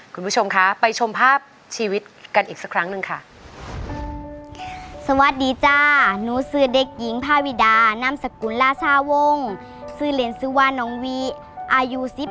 คุณผู้ชมคะไปชมภาพชีวิตกันอีกสักครั้งหนึ่งค่ะ